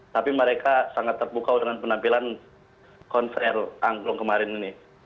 tapi mereka sangat terbuka dengan penampilan konser angklung kemarin ini